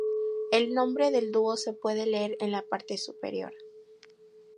El nombre del dúo se puede leer en la parte superior.